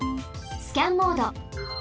スキャンモード。